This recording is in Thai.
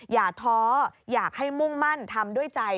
อย่าท้ออยากให้มุ่งมั่นทำด้วยใจ